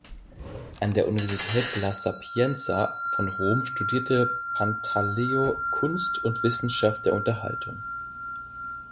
An der Universität La Sapienza von Rom studierte Pantaleo "Kunst und Wissenschaft der Unterhaltung".